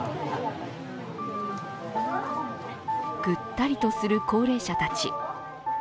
ぐったりとする高齢者たち。